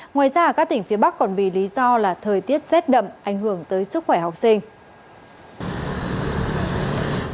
ngoài ra ở các tỉnh phía bắc còn vì lý do là thời tiết rét đậm ảnh hưởng tới sức khỏe học sinh